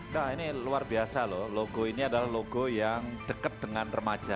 nah ini luar biasa loh logo ini adalah logo yang dekat dengan remaja